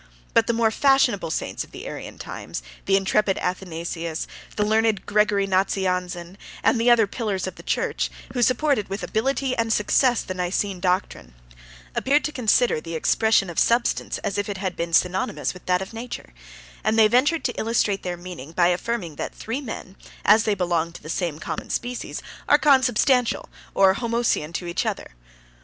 But the more fashionable saints of the Arian times, the intrepid Athanasius, the learned Gregory Nazianzen, and the other pillars of the church, who supported with ability and success the Nicene doctrine, appeared to consider the expression of substance as if it had been synonymous with that of nature; and they ventured to illustrate their meaning, by affirming that three men, as they belong to the same common species, are consubstantial, or homoousian to each other.